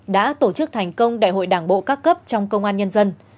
đã tổ chức thành công đại hội đảng bộ các cấp trong công an nhân dân